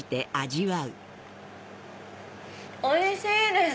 おいしいです！